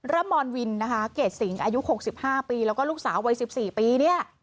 รมรวินนะฮะเกดสิงห์อายุหกสิบห้าปีแล้วก็ลูกสาววัยสิบสี่ปีเนี้ย